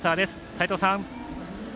齋藤さん。